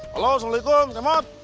halo assalamualaikum tete mod